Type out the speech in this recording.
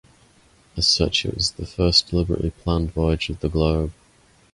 As such it was the first deliberately planned voyage of the globe.